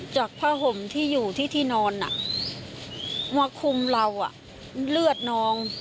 จากผ้าห่มที่อยู่ที่ที่นอนมาคุมเราเลือดนอง